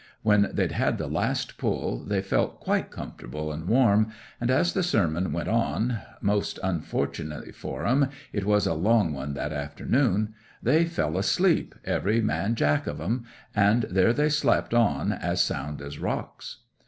When they'd had the last pull they felt quite comfortable and warm, and as the sermon went on—most unfortunately for 'em it was a long one that afternoon—they fell asleep, every man jack of 'em; and there they slept on as sound as rocks.